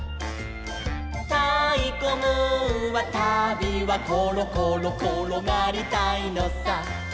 「たいこムーンはたびはころころころがりたいのさ」